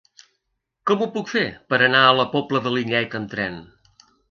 Com ho puc fer per anar a la Pobla de Lillet amb tren?